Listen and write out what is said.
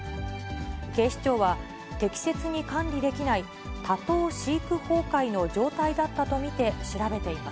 警視庁は、適切に管理できない多頭飼育崩壊の状態だったと見て、調べていま